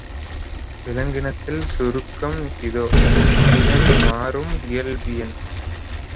விளகக்கத்தின் சுருக்கம் இதோ மனிதன் மாறும் இயல்பினன்.